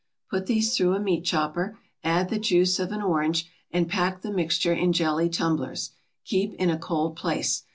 Put these through a meat chopper, add the juice of an orange, and pack the mixture in jelly tumblers. Keep in a cold place.